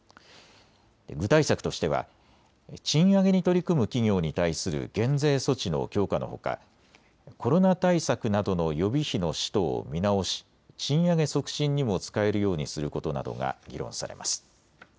具体策としては賃上げに取り組む企業に対する減税措置の強化のほかコロナ対策などの予備費の使途を見直し賃上げ促進にも使えるようにすることなどが議論されます。